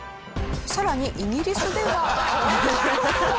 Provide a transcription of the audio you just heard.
さらにイギリスでは。